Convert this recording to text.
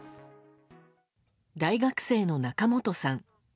大学生の中本さん。